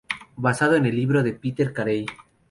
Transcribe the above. Basado en el libro de Peter Carey.